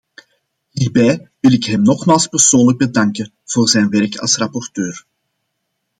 Hierbij wil ik hem nogmaals persoonlijk bedanken voor zijn werk als rapporteur.